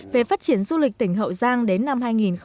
về phát triển du lịch tỉnh hậu giang đến năm hai nghìn ba mươi